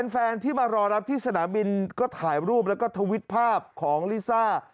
แฟนที่มารอรับที่สนามบินก็ถ่ายรูปแล้วก็ทวิตภาพของลิซ่า